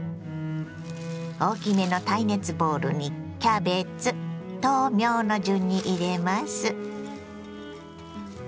大きめの耐熱ボウルにキャベツ豆苗の順に入れます。